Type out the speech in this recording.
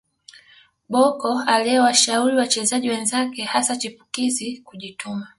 Bocco aliyewashauri wachezaji wenzake hasa chipukizi kujituma